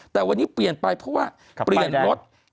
แต่วันนี้เปลี่ยนไปเพราะว่าเปลี่ยนรถ